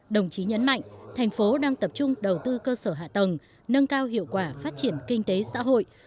đồng chí nhấn mạnh thành phố đang tập trung đầu tư cơ sở hạ tầng nâng cao hiệu quả phát triển kinh tế xã hội